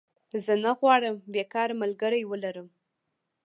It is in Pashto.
زه نه غواړم بيکاره ملګری ولرم